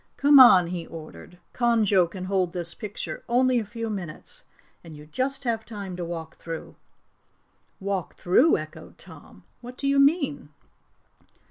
"Come on," he ordered. "Conjo can hold this picture only a few minutes and you just have time to walk through." "Walk through?" echoed Tom. "What do you mean?"